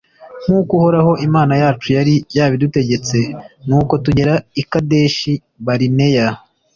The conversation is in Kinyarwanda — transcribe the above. nk’uko uhoraho imana yacu yari yabidutegetse; nuko tugera i kadeshi-barineya.